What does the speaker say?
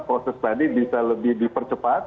proses tadi bisa lebih dipercepat